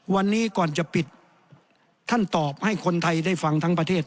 วันนี้ก่อนจะปิดท่านตอบให้คนไทยได้ฟังทั้งประเทศ